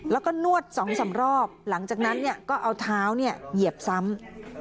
แล้วก็นวด๒๓รอบหลังจากนั้นก็เอาเท้าเหยียบซ้ำ